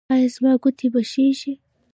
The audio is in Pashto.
ایا زما ګوتې به ښې شي؟